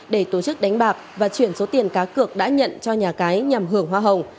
để tổ chức đánh bạc và chuyển số tiền cá cược đã nhận cho nhà cái nhằm hưởng hoa hồng